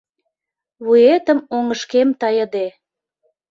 Вуетым оҥышкем тайыде